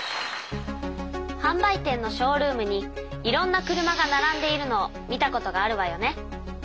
はん売店のショールームにいろんな車がならんでいるのを見たことがあるわよね。